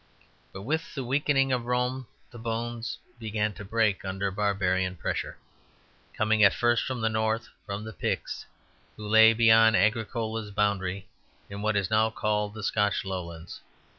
But with the weakening of Rome the bones began to break under barbarian pressure, coming at first from the north; from the Picts who lay beyond Agricola's boundary in what is now the Scotch Lowlands.